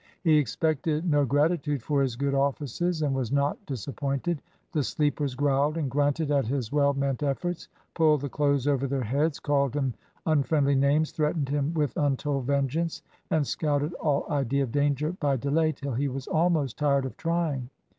He expected no gratitude for his good offices, and was not disappointed. The sleepers growled and grunted at his well meant efforts, pulled the clothes over their heads, called him unfriendly names, threatened him with untold vengeance, and scouted all idea of danger by delay, till he was almost tired of trying.